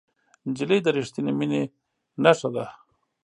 نجلۍ د رښتینې مینې نښه ده.